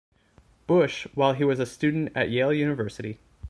Bush while he was a student at Yale University.